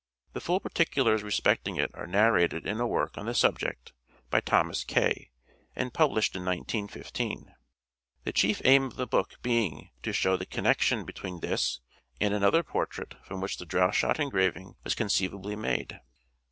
The full particulars respecting it are narrated in a work on the subject by Thomas Kay and published in 1915 : the chief aim of the book being to show the connection between this and another portrait from which the Droeshout engraving was conceivably made.